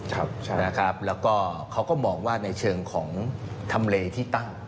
ใช่นะครับแล้วก็เขาก็มองว่าในเชิงของทำเลที่ตั้ง